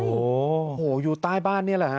โอ้โหอยู่ใต้บ้านนี่แหละฮะ